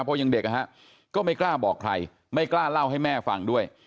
เพราะยังเด็กนะฮะก็ไม่กล้าบอกใครไม่กล้าเล่าให้แม่ฟังด้วย